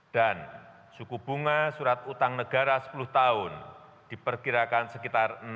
dan suku bunga surat utang negara sepuluh tahun diperkirakan sekitar rp empat belas tiga ratus lima puluh per usd